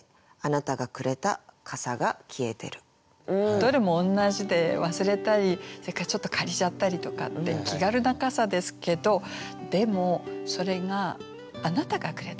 どれも同じで忘れたりそれからちょっと借りちゃったりとかって気軽な傘ですけどでもそれが「あなたがくれた」